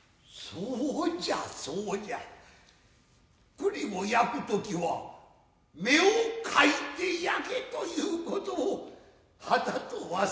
栗を焼く時は目をかいて焼けということをはたと忘れていた。